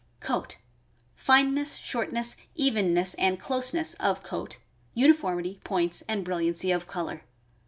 Coat. — Fineness, shortness, evenness, and closeness of coat, uniformity, points, and brilliancy of color.